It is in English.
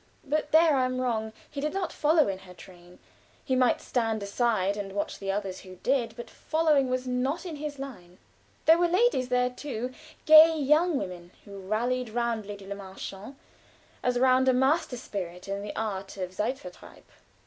But there I am wrong. He did not follow in her train; he might stand aside and watch the others who did; but following was not in his line. There were ladies there too gay young women, who rallied round Lady Le Marchant as around a master spirit in the art of Zeitvertreib.